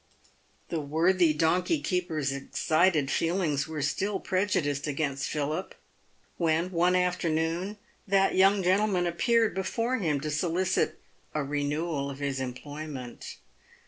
The worthy donkey keeper's excited feelings were still prejudiced against Philip when, one afternoon, that young gentleman appeared before him to solicit a renewal of his employment.